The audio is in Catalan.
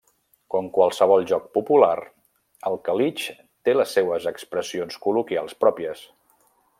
Com qualsevol joc popular, el calitx té les seues expressions col·loquials pròpies.